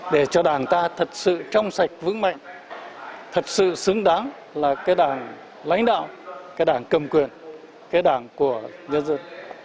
để cho đảng ta thật sự trong sạch vững mạnh thật sự xứng đáng là cái đảng lãnh đạo cái đảng cầm quyền cái đảng của nhân dân